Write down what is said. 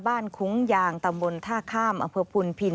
บ้านคุ้งยางตำบลท่าข้ามเพื่อภูมิผิน